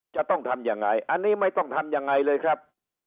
จะต้องทำยังไงอันนี้ไม่ต้องทำยังไงเลยครับ